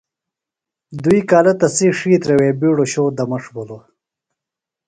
دُوئئ کالہ تسی ڇھیترہ وےۡ بیڈو شو دمݜ بھِلوۡ۔